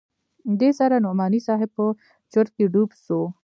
دې سره نعماني صاحب په چورت کښې ډوب سو.